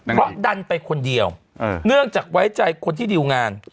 เพราะดันไปคนเดียวเนื่องจากไว้ใจคนที่ดิวงาน